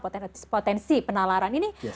potensi penalaran ini